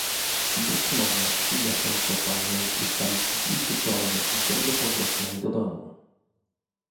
Być może uda się to panu ustalić dziś wieczorem w drodze powrotnej do domu